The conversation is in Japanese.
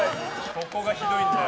ここがひどいんだよ。